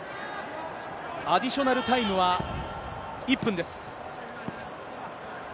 アディショナルタイムは、１分です。